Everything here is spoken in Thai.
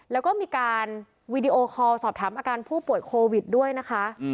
แล้วก็มีการวีดีโอคอลสอบถามอาการผู้ป่วยโควิดด้วยนะคะ